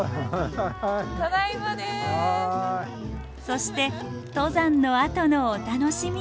そして登山のあとのお楽しみ。